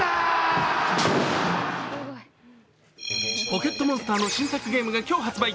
「ポケットモンスター」の新作ゲームが今日発売。